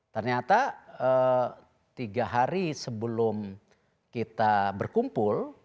ternyata tiga hari sebelum kita berkumpul